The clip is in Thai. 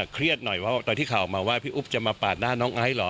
เครียดหน่อยว่าตอนที่ข่าวออกมาว่าพี่อุ๊บจะมาปาดหน้าน้องไอซ์เหรอ